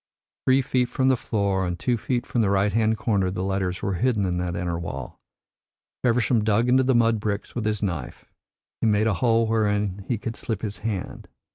Three feet from the floor and two feet from the right hand corner the letters were hidden in that inner wall. Feversham dug into the mud bricks with his knife; he made a hole wherein he could slip his hand.